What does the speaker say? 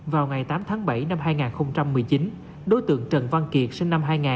vào ngày tám tháng bảy năm hai nghìn một mươi chín đối tượng trần văn kiệt sinh năm hai nghìn